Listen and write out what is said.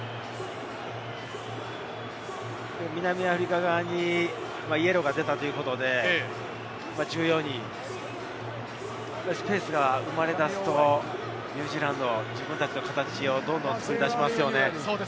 南アフリカ側にイエローが出たということで、１４人、スペースが生まれ出すと、ニュージーランドは自分たちの形をどんどん作り出しますね。